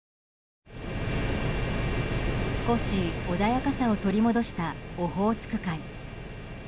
少し穏やかさを取り戻したオホーツク海。